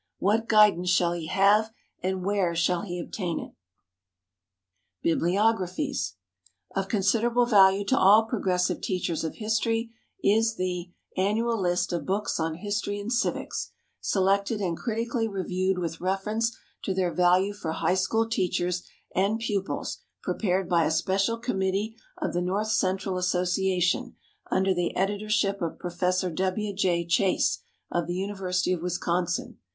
What guidance shall he have and where shall he obtain it? Bibliographies. Of considerable value to all progressive teachers of history is the "Annual List of Books on History and Civics," selected and critically reviewed with reference to their value for high school teachers and pupils prepared by a special committee of the North Central Association under the editorship of Professor W. J. Chase, of the University of Wisconsin.